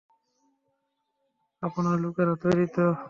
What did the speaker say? আপনার লোকেরা তৈরি তো?